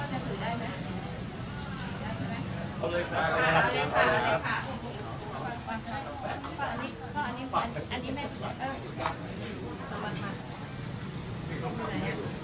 เดี๋ยวเรารอรุ่นแปลกครับดูแล้ว